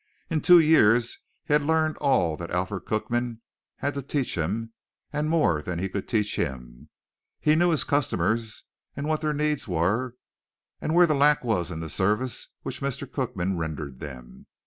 In two years he had learned all that Alfred Cookman had to teach him and more than he could teach him. He knew his customers and what their needs were, and where the lack was in the service which Mr. Cookman rendered them.